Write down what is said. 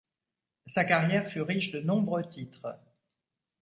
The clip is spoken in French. Sa carrière fut riche de nombreux titres.